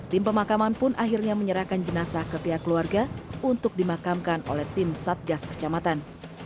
tim pemakaman pun akhirnya menyerahkan jenazah ke pihak keluarga untuk dimakamkan oleh tim satgas kecamatan